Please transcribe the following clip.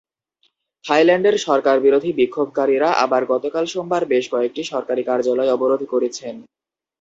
থাইল্যান্ডের সরকারবিরোধী বিক্ষোভকারীরা আবার গতকাল সোমবার বেশ কয়েকটি সরকারি কার্যালয় অবরোধ করেছেন।